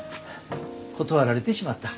断られてしまった。